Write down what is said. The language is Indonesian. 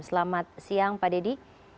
selamat siang pak dedy